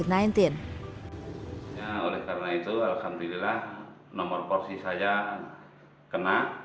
nah oleh karena itu alhamdulillah nomor porsi saya kena